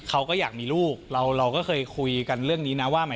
เขาก็อยากมีลูกเราเราก็เคยคุยกันเรื่องนี้นะว่า